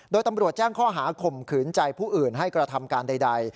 โดยตำรวจแจ้งข้อหาข่มขืนใจผู้อื่นให้กระทำการใด